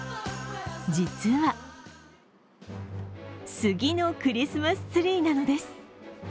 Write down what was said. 実は杉のクリスマスツリーなのです。